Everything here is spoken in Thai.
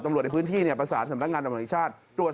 ตำรวจในพื้นที่นี้ภรรยาภาคสันตรรรยศนมันไม่ด้วย